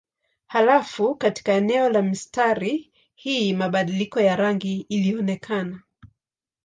Halafu katika eneo la mistari hii mabadiliko ya rangi ilionekana.